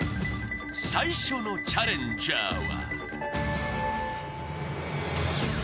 ［最初のチャレンジャーは］